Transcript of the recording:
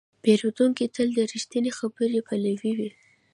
پیرودونکی تل د رښتینې خبرې پلوی وي.